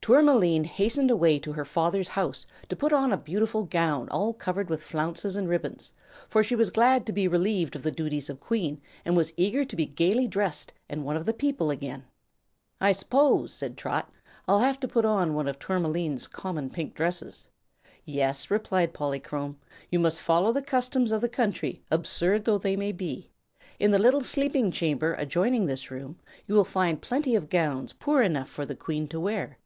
Tourmaline hastened away to her father's house to put on a beautiful gown all covered with flounces and ribbons, for she was glad to be relieved of the duties of Queen and was eager to be gaily dressed and one of the people again. "I s'pose," said Trot, "I'll have to put on one of Tourmaline's common pink dresses." "Yes," replied Polychrome, "you must follow the customs of the country, absurd though they may be. In the little sleeping chamber adjoining this room you will find plenty of gowns poor enough for the Queen to wear.